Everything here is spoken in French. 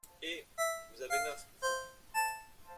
Eh ! vous avez neuf, vous !